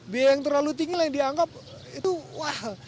biaya yang terlalu tinggi lah yang dianggap itu wah